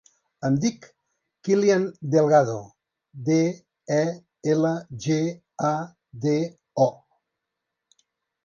Em dic Kilian Delgado: de, e, ela, ge, a, de, o.